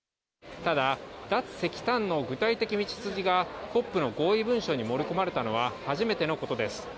ただ脱石炭の具体的道筋がコップの合意文書に盛り込まれたのは初めてのことです。